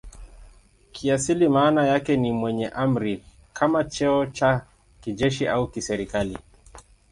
Kiasili maana yake ni "mwenye amri" kama cheo cha kijeshi au kiserikali.